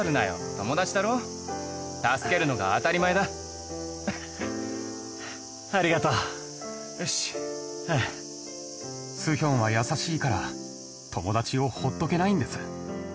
友達だろ助けるのが当たり前だありがとうよしスヒョンは優しいから友達をほっとけないんです